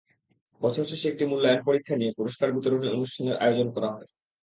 বছর শেষে একটি মূল্যায়ন পরীক্ষা নিয়ে পুরস্কার বিতরণী অনুষ্ঠানের আয়োজন করা হয়।